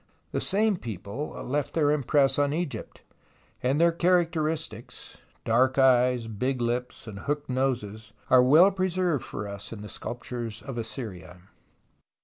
The same people left their impress on Egypt, and their characteristics — dark eyes, big lips and hook noses — are well preserved for us in the sculptures of Assyria.